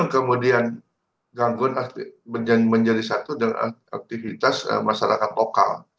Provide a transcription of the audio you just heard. kemudian gangguan menjadi satu dengan aktivitas masyarakat lokal